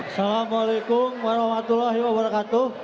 assalamu'alaikum warahmatullahi wabarakatuh